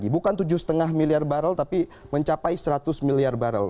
bukan tujuh lima miliar barrel tapi mencapai seratus miliar barrel